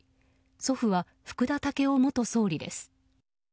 祖父は福田赳夫元総理です。